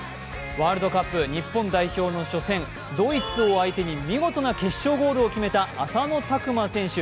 ワールドカップ日本代表の初戦、ドイツを相手に見事な決勝ゴールを決めた浅野拓磨選手。